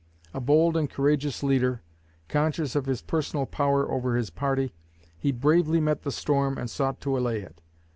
A bold and courageous leader, conscious of his personal power over his party, he bravely met the storm and sought to allay it.